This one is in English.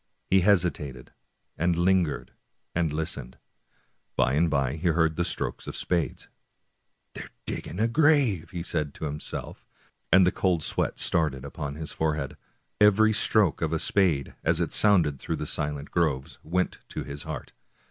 He hesitated, and lingered, and listened. By and by he heard the strokes of spades. " They are dig ging the grave !" said he to himself, and the cold sweat started upon his forehead. Every stroke of a spade, as it sounded through the silent groves, went to his heart.